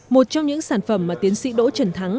một trong những sản phẩm mà tiến sĩ đỗ trần thắng